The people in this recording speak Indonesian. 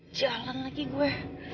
aduh jalan lagi gue